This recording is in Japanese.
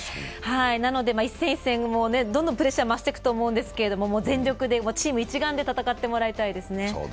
なので一戦一戦どんどんプレッシャーが増していくと思うんですけど全力でチーム一丸で戦ってもらいたいですね。